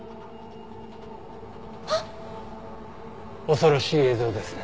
恐ろしい映像ですね。